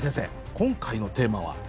今回のテーマは？